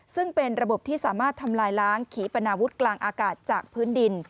ซึ่งเป็นระบบที่สามารถทำลายล้างขีปนาวุฒิกลางอากาศจากพื้นดิน